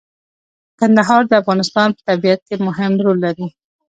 کندهار د افغانستان په طبیعت کې مهم رول لري.